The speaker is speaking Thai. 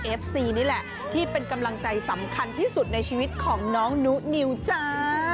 เอฟซีนี่แหละที่เป็นกำลังใจสำคัญที่สุดในชีวิตของน้องนุนิวจ้า